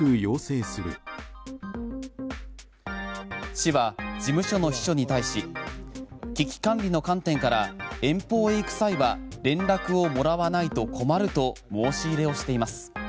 市は事務所の秘書に対し危機管理の観点から遠方へ行く際は連絡をもらわないと困ると申し入れをしています。